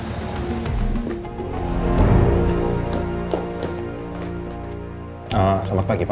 selamat pagi pak